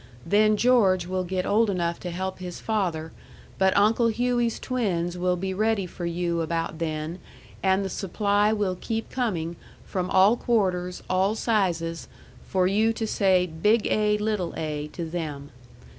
Then George will get old enough to help his father but Uncle Hewie's twins will be ready for you about then and the supply will keep coming from all quarters all sizes for you to say big A little a to them.